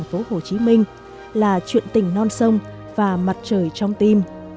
võ đăng tín